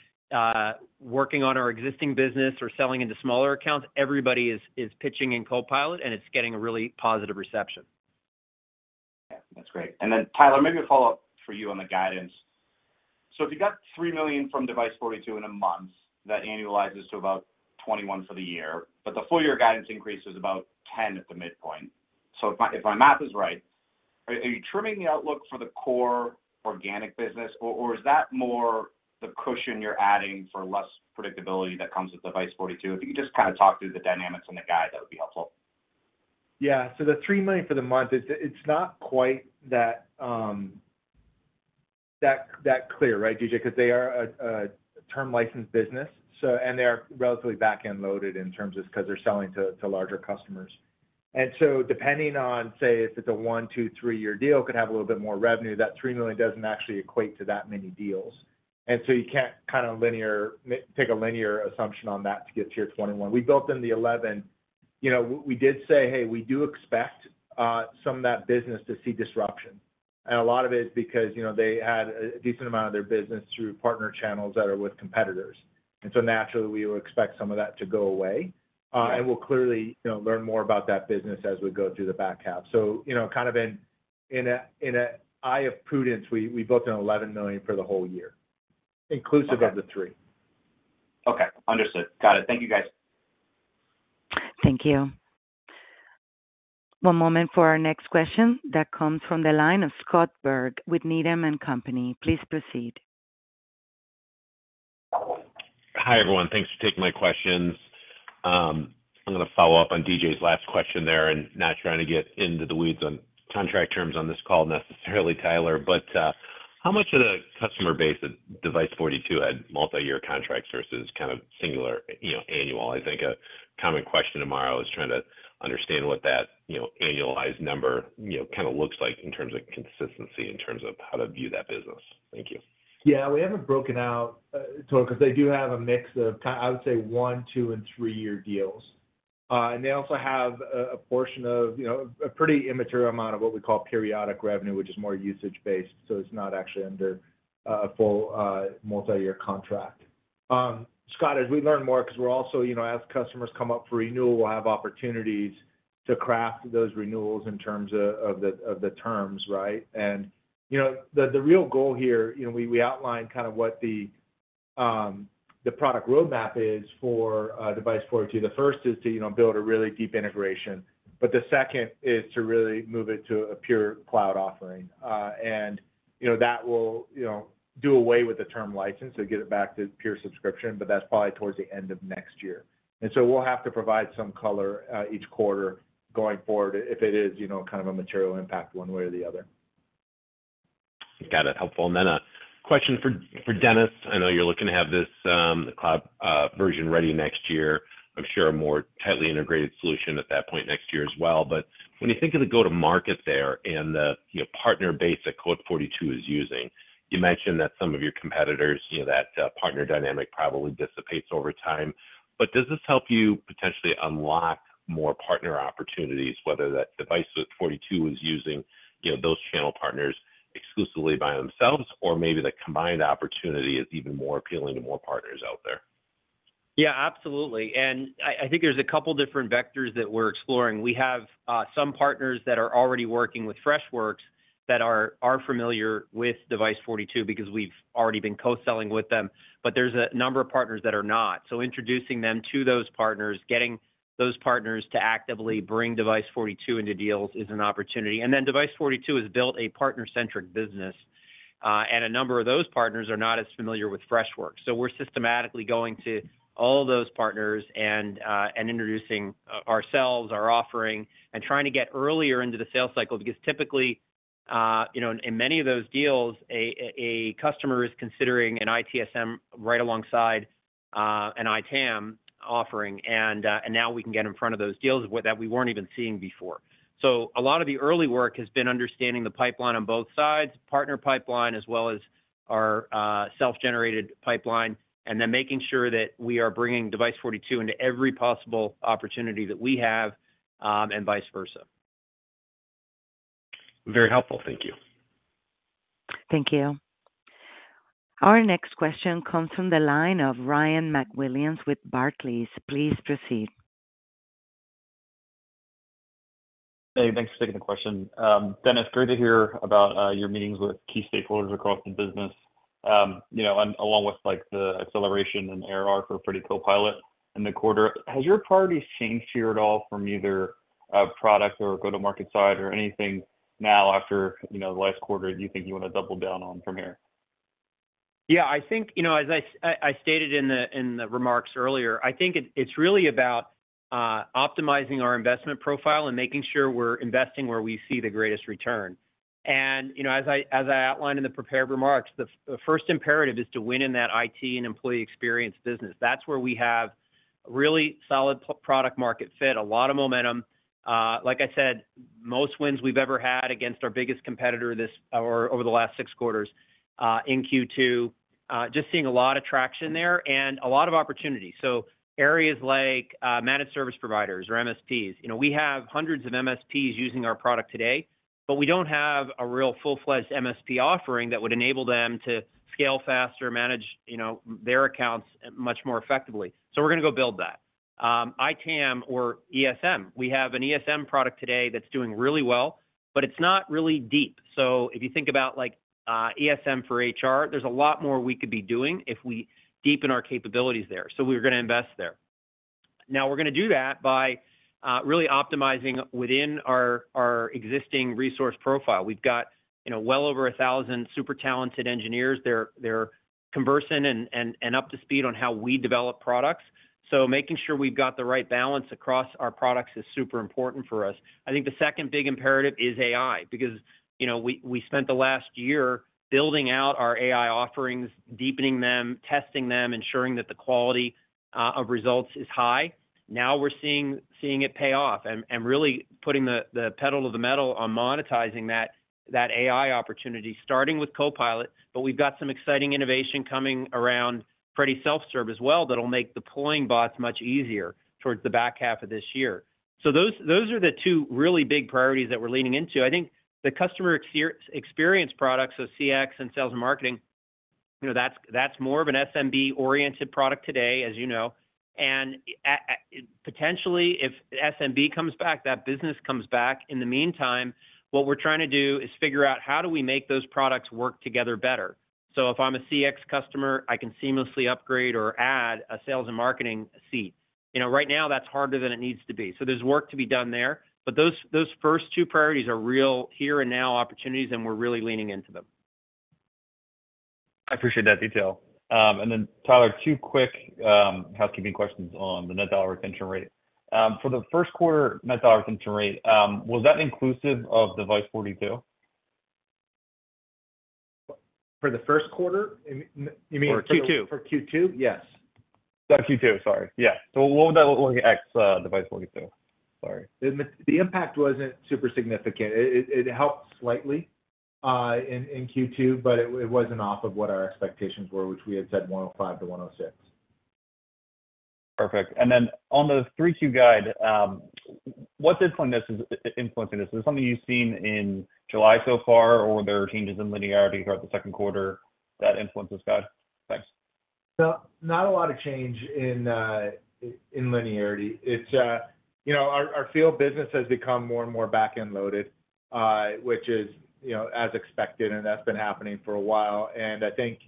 working on our existing business or selling into smaller accounts, everybody is pitching Copilot, and it's getting a really positive reception. Yeah, that's great. And then, Tyler, maybe a follow-up for you on the guidance. So if you got $3 million from Device42 in a month, that annualizes to about $21 million for the year, but the full year guidance increase is about $10 million at the midpoint. So if my math is right, are you trimming the outlook for the core organic business, or is that more the cushion you're adding for less predictability that comes with Device42? If you could just kind of talk through the dynamics and the guide, that would be helpful. Yeah. So the $3 million for the month, it's not quite that clear, right, DJ? Because they are a term-licensed business, so... And they are relatively back-end loaded in terms of because they're selling to larger customers. And so depending on, say, if it's a 1-, 2-, 3-year deal, could have a little bit more revenue, that $3 million doesn't actually equate to that many deals. And so you can't kind of take a linear assumption on that to get to your 21. We built in the 11. You know, we did say, "Hey, we do expect some of that business to see disruption." And a lot of it is because, you know, they had a decent amount of their business through partner channels that are with competitors. And so naturally, we would expect some of that to go away. And we'll clearly, you know, learn more about that business as we go through the back half. So, you know, kind of in an air of prudence, we built in $11 million for the whole year, inclusive of the three. Okay. Understood. Got it. Thank you, guys. Thank you. One moment for our next question, that comes from the line of Scott Berg with Needham and Company. Please proceed. Hi, everyone. Thanks for taking my questions. I'm gonna follow up on DJ's last question there, and not trying to get into the weeds on contract terms on this call necessarily, Tyler, but, how much of the customer base of Device42 had multiyear contracts versus kind of singular, you know, annual? I think a common question tomorrow is trying to understand what that, you know, annualized number, you know, kind of looks like in terms of consistency, in terms of how to view that business. Thank you. Yeah, we haven't broken out, so because they do have a mix of—I would say one, two, and three-year deals. And they also have a portion of, you know, a pretty immaterial amount of what we call periodic revenue, which is more usage-based, so it's not actually under a full multiyear contract. Scott, as we learn more, because we're also, you know, as customers come up for renewal, we'll have opportunities to craft those renewals in terms of the terms, right? And, you know, the real goal here, you know, we outlined kind of what the product roadmap is for Device42. The first is to, you know, build a really deep integration, but the second is to really move it to a pure cloud offering. and, you know, that will, you know, do away with the term license and get it back to pure subscription, but that's probably towards the end of next year. And so we'll have to provide some color, each quarter going forward, if it is, you know, kind of a material impact one way or the other. Got it. Helpful. And then a question for Dennis. I know you're looking to have this cloud version ready next year. I'm sure a more tightly integrated solution at that point next year as well. But when you think of the go-to-market there and the, you know, partner base that Device42 is using, you mentioned that some of your competitors, you know, that partner dynamic probably dissipates over time. But does this help you potentially unlock more partner opportunities, whether that Device42 is using, you know, those channel partners exclusively by themselves, or maybe the combined opportunity is even more appealing to more partners out there? Yeah, absolutely. I think there's a couple different vectors that we're exploring. We have some partners that are already working with Freshworks that are familiar with Device42, because we've already been co-selling with them. But there's a number of partners that are not. So introducing them to those partners, getting those partners to actively bring Device42 into deals is an opportunity. And then Device42 has built a partner-centric business, and a number of those partners are not as familiar with Freshworks. So we're systematically going to all those partners and introducing ourselves, our offering, and trying to get earlier into the sales cycle. Because typically, you know, in many of those deals, a customer is considering an ITSM right alongside an ITAM offering, and now we can get in front of those deals that we weren't even seeing before. So a lot of the early work has been understanding the pipeline on both sides, partner pipeline, as well as our self-generated pipeline, and then making sure that we are bringing Device42 into every possible opportunity that we have, and vice versa. Very helpful. Thank you. Thank you. Our next question comes from the line of Ryan MacWilliams with Barclays. Please proceed. Hey, thanks for taking the question. Dennis, great to hear about your meetings with key stakeholders across the business. You know, and along with, like, the acceleration and ARR for Freddy Copilot in the quarter, has your priorities changed here at all from either product or go-to-market side or anything now after, you know, the last quarter, do you think you want to double down on from here? Yeah, I think, you know, as I stated in the remarks earlier, I think it, it's really about optimizing our investment profile and making sure we're investing where we see the greatest return. And, you know, as I outlined in the prepared remarks, the first imperative is to win in that IT and employee experience business. That's where we have really solid product market fit, a lot of momentum. Like I said, most wins we've ever had against our biggest competitor this or over the last six quarters in Q2. Just seeing a lot of traction there and a lot of opportunity. So areas like, managed service providers or MSPs, you know, we have hundreds of MSPs using our product today, but we don't have a real full-fledged MSP offering that would enable them to scale faster, manage, you know, their accounts much more effectively. So we're gonna go build that. ITAM or ESM, we have an ESM product today that's doing really well, but it's not really deep. So if you think about like, ESM for HR, there's a lot more we could be doing if we deepen our capabilities there. So we're gonna invest there. Now, we're gonna do that by, really optimizing within our, our existing resource profile. We've got, you know, well over 1,000 super talented engineers. They're, they're conversant and, and, and up to speed on how we develop products. So making sure we've got the right balance across our products is super important for us. I think the second big imperative is AI, because, you know, we spent the last year building out our AI offerings, deepening them, testing them, ensuring that the quality of results is high. Now, we're seeing it pay off and really putting the pedal to the metal on monetizing that AI opportunity, starting with Copilot, but we've got some exciting innovation coming around Freddy Self Service as well, that'll make deploying bots much easier towards the back half of this year. So those are the two really big priorities that we're leaning into. I think the customer experience products, so CX and sales and marketing, you know, that's more of an SMB-oriented product today, as you know. Potentially, if SMB comes back, that business comes back. In the meantime, what we're trying to do is figure out how do we make those products work together better. So if I'm a CX customer, I can seamlessly upgrade or add a sales and marketing seat. You know, right now, that's harder than it needs to be, so there's work to be done there. But those, those first two priorities are real here and now opportunities, and we're really leaning into them. I appreciate that detail. And then, Tyler, two quick housekeeping questions on the net dollar retention rate. For the first quarter net dollar retention rate, was that inclusive of Device42? For the first quarter? You mean- For Q2. For Q2? Yes. Q2, sorry. Yeah. So what would that look like ex, Device42? Sorry. The impact wasn't super significant. It helped slightly in Q2, but it wasn't off of what our expectations were, which we had said 105-106. Perfect. And then on the 3Q guide, what's influenced this, influenced this? Is this something you've seen in July so far, or were there changes in linearity throughout the second quarter that influenced this guide? Thanks. So not a lot of change in linearity. It's you know, our field business has become more and more back-end loaded, which is you know, as expected, and that's been happening for a while. And I think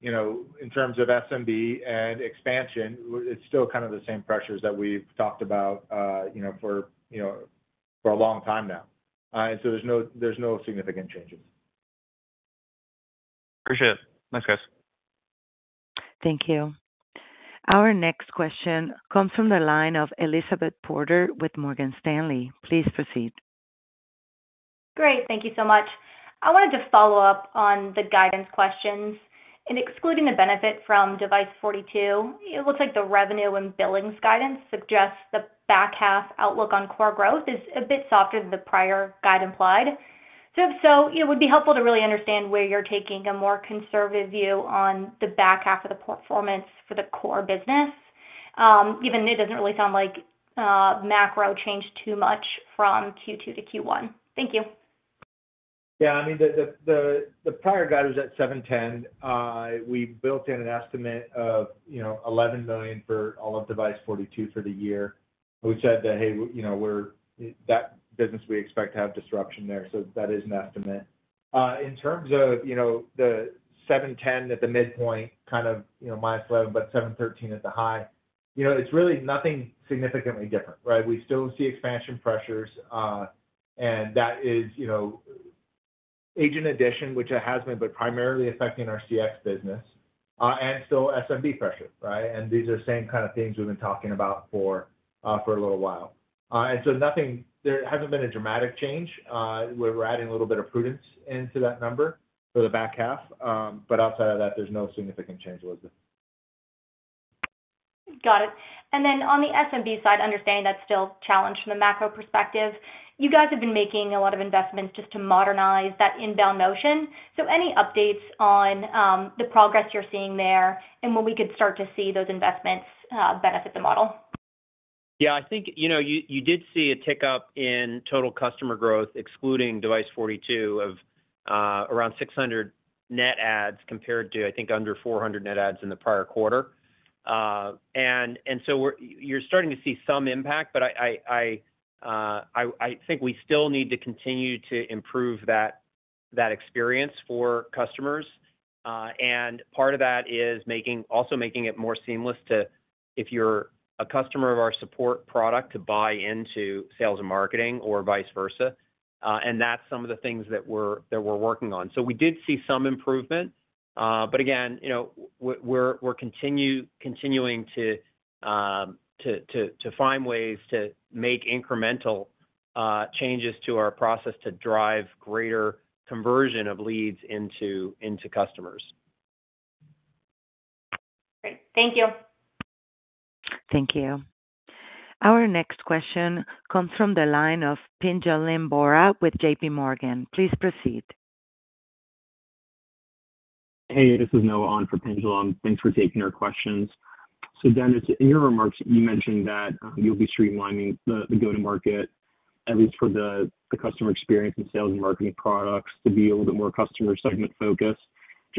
you know, in terms of SMB and expansion, it's still kind of the same pressures that we've talked about you know, for you know, for a long time now. So there's no significant changes. Appreciate it. Thanks, guys. Thank you. Our next question comes from the line of Elizabeth Porter with Morgan Stanley. Please proceed. Great. Thank you so much. I wanted to follow up on the guidance questions. In excluding the benefit from Device42, it looks like the revenue and billings guidance suggests the back half outlook on core growth is a bit softer than the prior guide implied. So if so, it would be helpful to really understand where you're taking a more conservative view on the back half of the performance for the core business, even though it doesn't really sound like macro changed too much from Q2 to Q1. Thank you. Yeah, I mean, the prior guide was at $710. We built in an estimate of, you know, $11 billion for all of Device42 for the year. We said that, "Hey, you know, we're... That business, we expect to have disruption there," so that is an estimate. In terms of, you know, the $710 at the midpoint, kind of, you know, minus $11, but $713 at the high, you know, it's really nothing significantly different, right? We still see expansion pressures, and that is, you know, agent addition, which it has been, but primarily affecting our CX business, and still SMB pressure, right? And these are the same kind of things we've been talking about for a little while. And so nothing-- there hasn't been a dramatic change. We're adding a little bit of prudence into that number for the back half, but outside of that, there's no significant change, Elizabeth. Got it. And then on the SMB side, understanding that's still challenged from a macro perspective, you guys have been making a lot of investments just to modernize that inbound motion. So any updates on, the progress you're seeing there and when we could start to see those investments, benefit the model?... Yeah, I think, you know, you did see a tick up in total customer growth, excluding Device42 of around 600 net adds compared to, I think, under 400 net adds in the prior quarter. And so we're—you're starting to see some impact, but I think we still need to continue to improve that experience for customers. And part of that is also making it more seamless to, if you're a customer of our support product, buy into sales and marketing or vice versa. And that's some of the things that we're working on. So we did see some improvement, but again, you know, we're continuing to find ways to make incremental changes to our process to drive greater conversion of leads into customers. Great. Thank you. Thank you. Our next question comes from the line of Pinjalim Bora with J.P. Morgan. Please proceed. Hey, this is Noah on for Pinjalim. Thanks for taking our questions. So Dennis, in your remarks, you mentioned that you'll be streamlining the go-to-market, at least for the customer experience and sales and marketing products to be a little bit more customer segment focused.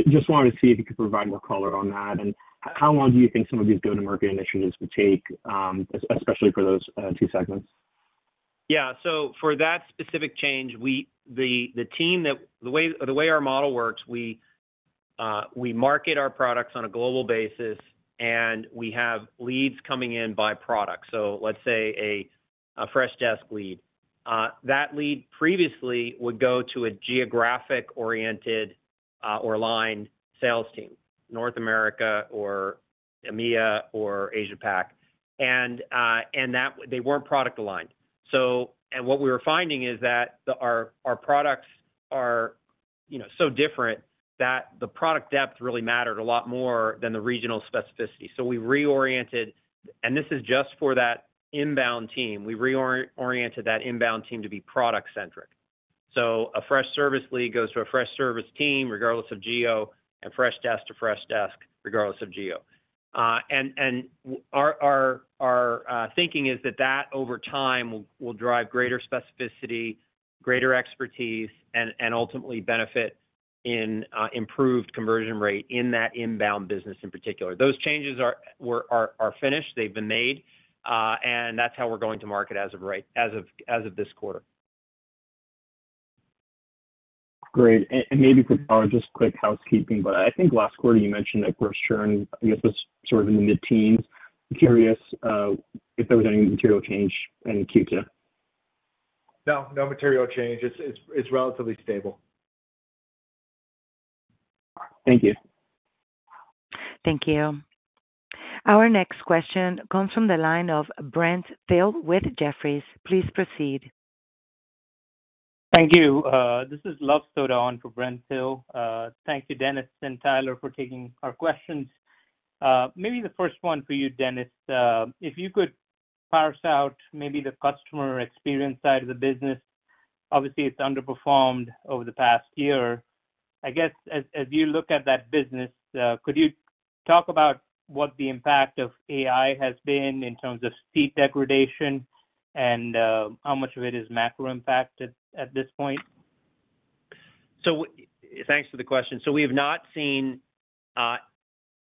Just wanted to see if you could provide more color on that, and how long do you think some of these go-to-market initiatives would take, especially for those two segments? Yeah, so for that specific change, we, the team that... The way our model works, we market our products on a global basis, and we have leads coming in by product. So let's say a Freshdesk lead. That lead previously would go to a geographic-oriented or aligned sales team, North America, or EMEA, or Asia-Pac, and that they weren't product aligned. So, and what we were finding is that our products are, you know, so different that the product depth really mattered a lot more than the regional specificity. So we reoriented, and this is just for that inbound team, we oriented that inbound team to be product-centric. So a Freshservice lead goes to a Freshservice team, regardless of geo, and Freshdesk to Freshdesk, regardless of geo. Our thinking is that over time, will drive greater specificity, greater expertise, and ultimately benefit in improved conversion rate in that inbound business in particular. Those changes are finished, they've been made, and that's how we're going to market as of right, as of this quarter. Great. And maybe for Tyler, just quick housekeeping, but I think last quarter you mentioned that gross churn, I guess, was sort of in the mid-teens. Curious, if there was any material change in Q2? No, no material change. It's relatively stable. Thank you. Thank you. Our next question comes from the line of Brent Thill with Jefferies. Please proceed. Thank you. This is Luv Sodha on for Brent Thill. Thank you, Dennis and Tyler, for taking our questions. Maybe the first one for you, Dennis. If you could parse out maybe the customer experience side of the business. Obviously, it's underperformed over the past year. I guess, as you look at that business, could you talk about what the impact of AI has been in terms of seat degradation and, how much of it is macro impacted at this point? Thanks for the question. So we have not seen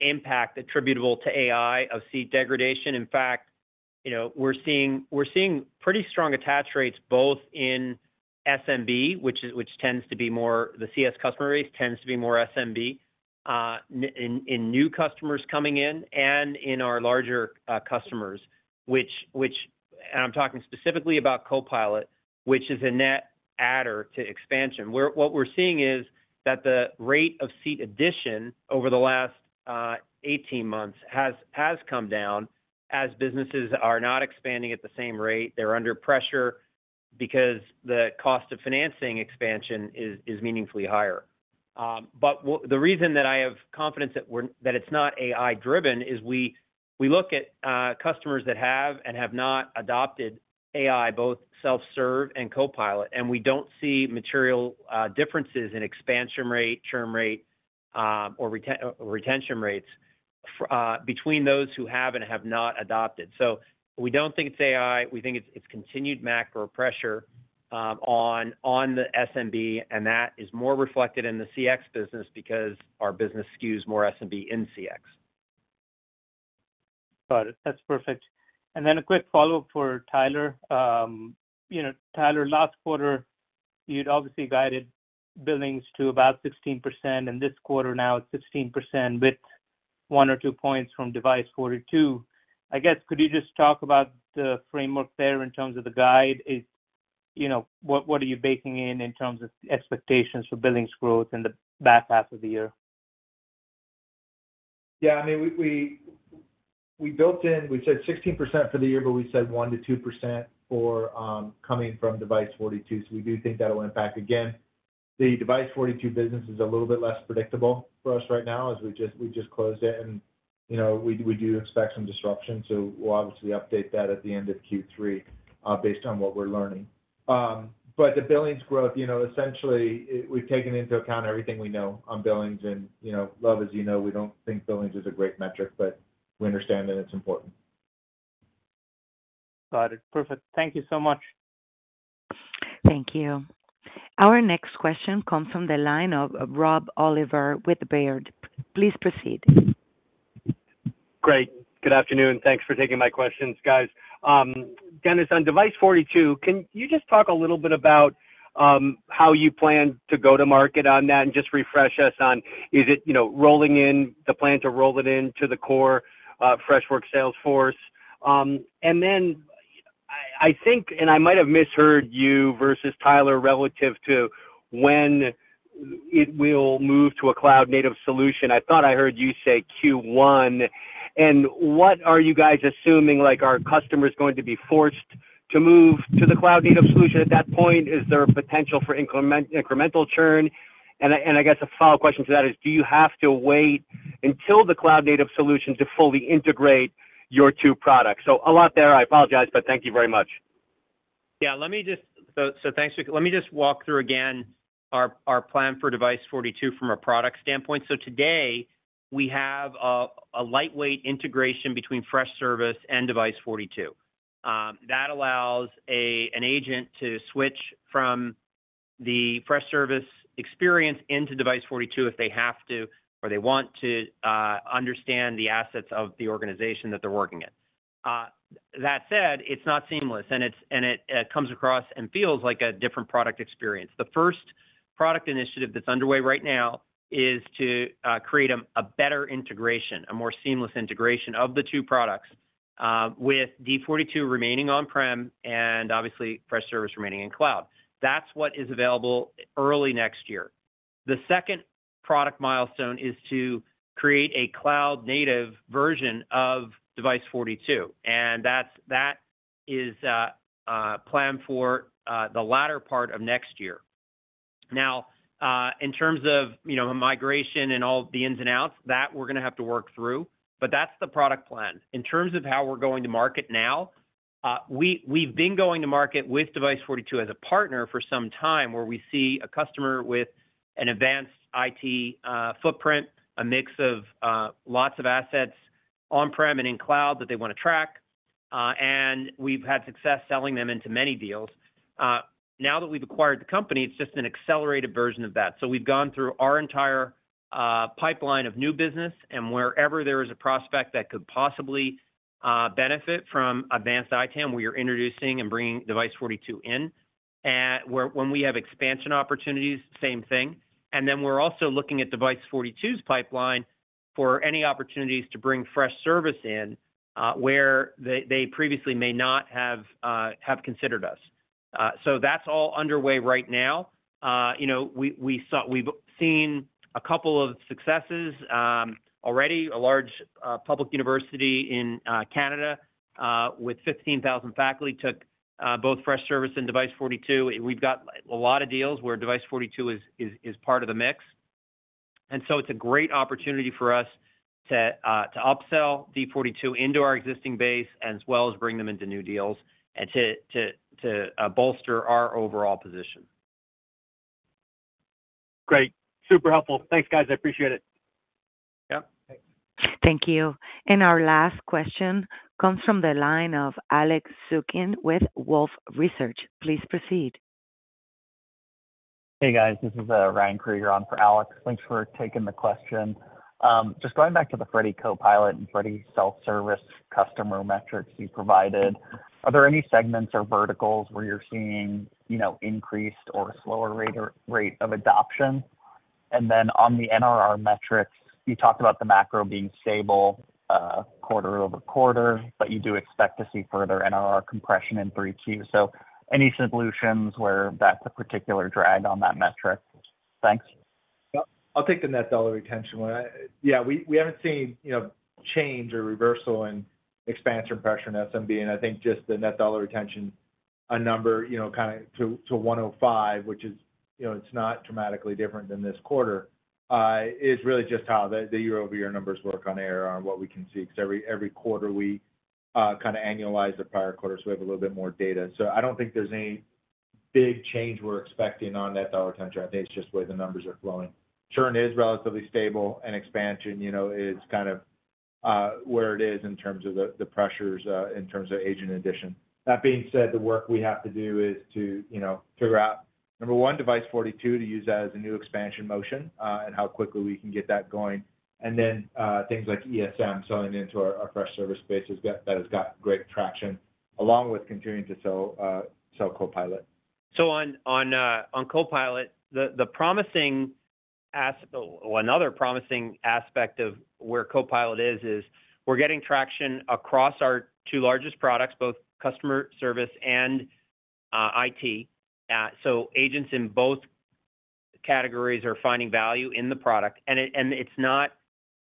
impact attributable to AI of seat degradation. In fact, you know, we're seeing pretty strong attach rates, both in SMB, which tends to be more, the CS customer base, tends to be more SMB, in new customers coming in and in our larger customers, which, and I'm talking specifically about Copilot, which is a net adder to expansion. What we're seeing is that the rate of seat addition over the last 18 months has come down as businesses are not expanding at the same rate. They're under pressure because the cost of financing expansion is meaningfully higher. But the reason that I have confidence that it's not AI driven is we look at customers that have and have not adopted AI, both self-serve and Copilot, and we don't see material differences in expansion rate, churn rate, or retention rates between those who have and have not adopted. So we don't think it's AI. We think it's continued macro pressure on the SMB, and that is more reflected in the CX business because our business skews more SMB in CX. Got it. That's perfect. And then a quick follow-up for Tyler. You know, Tyler, last quarter, you'd obviously guided billings to about 16%, and this quarter now it's 16%, with one or two points from Device42. I guess, could you just talk about the framework there in terms of the guide? You know, what, what are you baking in, in terms of expectations for billings growth in the back half of the year? Yeah, I mean, we built in, we said 16% for the year, but we said 1%-2%, for coming from Device42. So we do think that'll impact. Again, the Device42 business is a little bit less predictable for us right now as we just closed it and, you know, we do expect some disruption, so we'll obviously update that at the end of Q3 based on what we're learning. But the billings growth, you know, essentially, we've taken into account everything we know on billings. And, you know, Luv, as you know, we don't think billings is a great metric, but we understand that it's important.... Got it. Perfect. Thank you so much. Thank you. Our next question comes from the line of Rob Oliver with Baird. Please proceed. Great. Good afternoon. Thanks for taking my questions, guys. Dennis, on Device42, can you just talk a little bit about how you plan to go to market on that? And just refresh us on, is it, you know, rolling in, the plan to roll it into the core, Freshworks sales force? And then I think, and I might have misheard you versus Tyler, relative to when it will move to a cloud-native solution. I thought I heard you say Q1. And what are you guys assuming? Like, are customers going to be forced to move to the cloud-native solution at that point? Is there potential for incremental churn? And I guess a follow-up question to that is: do you have to wait until the cloud-native solution to fully integrate your two products? A lot there, I apologize, but thank you very much. Yeah, let me just... So, so thanks. Let me just walk through again our, our plan for Device42 from a product standpoint. So today, we have, a lightweight integration between Freshservice and Device42. That allows a, an agent to switch from the Freshservice experience into Device42 if they have to, or they want to, understand the assets of the organization that they're working in. That said, it's not seamless, and it's, and it, comes across and feels like a different product experience. The first product initiative that's underway right now is to, create a, a better integration, a more seamless integration of the two products, with Device42 remaining on-prem and obviously Freshservice remaining in cloud. That's what is available early next year. The second product milestone is to create a cloud-native version of Device42, and that is planned for the latter part of next year. Now, in terms of, you know, migration and all the ins and outs, that we're gonna have to work through, but that's the product plan. In terms of how we're going to market now, we've been going to market with Device42 as a partner for some time, where we see a customer with an advanced IT footprint, a mix of lots of assets on-prem and in cloud that they wanna track, and we've had success selling them into many deals. Now that we've acquired the company, it's just an accelerated version of that. So we've gone through our entire pipeline of new business, and wherever there is a prospect that could possibly benefit from advanced ITAM, we are introducing and bringing Device42 in. When we have expansion opportunities, same thing. And then we're also looking at Device42's pipeline for any opportunities to bring Freshservice in, where they previously may not have considered us. So that's all underway right now. You know, we've seen a couple of successes already. A large public university in Canada with 15,000 faculty took both Freshservice and Device42. We've got a lot of deals where Device42 is part of the mix. It's a great opportunity for us to upsell Device42 into our existing base, as well as bring them into new deals and to bolster our overall position. Great. Super helpful. Thanks, guys. I appreciate it. Yep. Thank you. Our last question comes from the line of Alex Zukin with Wolfe Research. Please proceed. Hey, guys, this is Ryan Krieger on for Alex. Thanks for taking the question. Just going back to the Freddy Copilot and Freddy Self Service customer metrics you provided, are there any segments or verticals where you're seeing, you know, increased or slower rate, rate of adoption? And then on the NRR metrics, you talked about the macro being stable quarter-over-quarter, but you do expect to see further NRR compression in 3Q. So any solutions where that's a particular drag on that metric? Thanks. Yep. I'll take the net dollar retention one. Yeah, we haven't seen, you know, change or reversal in expansion pressure in SMB, and I think just the net dollar retention, a number, you know, kinda to 105, which is, you know, it's not dramatically different than this quarter, is really just how the year-over-year numbers work on ARR and what we can see, 'cause every quarter we kinda annualize the prior quarter, so we have a little bit more data. So I don't think there's any big change we're expecting on net dollar retention. I think it's just the way the numbers are flowing. Churn is relatively stable and expansion, you know, is kind of where it is in terms of the pressures in terms of agent addition. That being said, the work we have to do is to, you know, figure out, number one, Device42, to use that as a new expansion motion, and how quickly we can get that going. And then, things like ESM, selling into our, our Freshservice base has got, that has got great traction, along with continuing to sell, sell Copilot. So on Copilot, another promising aspect of where Copilot is, is we're getting traction across our two largest products, both customer service and IT. So agents in both categories are finding value in the product, and it's not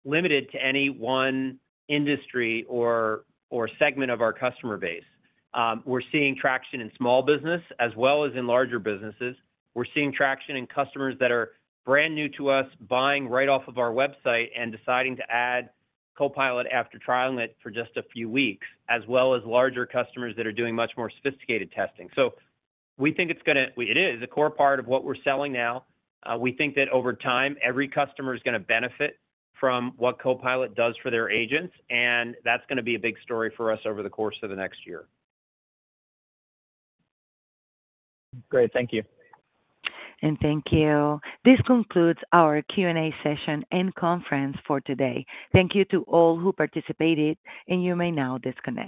limited to any one industry or segment of our customer base. We're seeing traction in small business as well as in larger businesses. We're seeing traction in customers that are brand new to us, buying right off of our website and deciding to add Copilot after trialing it for just a few weeks, as well as larger customers that are doing much more sophisticated testing. So we think it is a core part of what we're selling now. We think that over time, every customer is gonna benefit from what Copilot does for their agents, and that's gonna be a big story for us over the course of the next year. Great. Thank you. Thank you. This concludes our Q&A session and conference for today. Thank you to all who participated, and you may now disconnect.